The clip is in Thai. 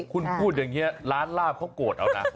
คุณพูดอย่างนี้ร้านลาบเขาโกรธเอานะ